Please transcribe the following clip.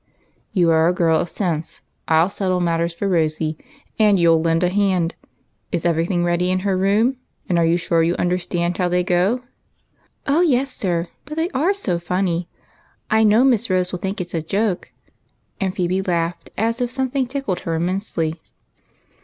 " You are a girl of sense. I '11 settle matters for Rosy, and you '11 lend a hand. Is every thing ready in her room, and are you sure you understand how they go?" " Oh, yes, sir ; but they nre so funny ! I know Miss Rose will think it 's a joke," and Phebe laughed as if something tickled her immensely.